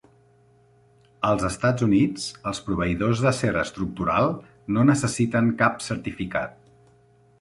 Als Estats Units els proveïdors d'acer estructural no necessiten cap certificat.